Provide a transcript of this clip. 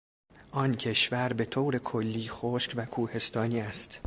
آن کشور به طور کلی خشک و کوهستانی است.